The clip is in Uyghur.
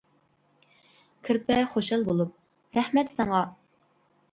كىرپە خۇشال بولۇپ: رەھمەت ساڭا!